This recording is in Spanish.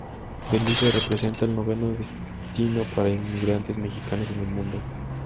Belice representa el noveno destino para inmigrantes mexicanos en el mundo.